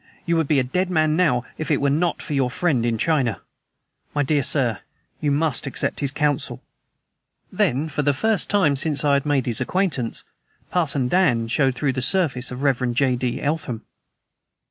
You would be a dead man now if it were not for your friend in China! My dear sir, you must accept his counsel." Then, for the first time since I had made his acquaintance, "Parson Dan" showed through the surface of the Rev. J. D. Eltham.